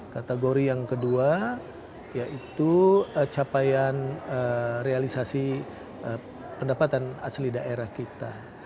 kategori yang kedua yaitu capaian realisasi pendapatan asli daerah kita